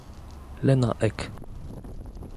Lena Ek